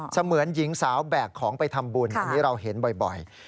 เหมือนหญิงสาวแบกของไปทำบุญอันนี้เราเห็นบ่อย